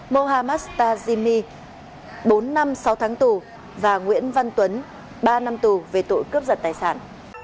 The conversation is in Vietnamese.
mohamastajimi bốn năm sáu tháng tù và nguyễn văn tuấn ba năm tù về tội cướp giật tài sản